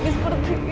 mata aku sakit sekali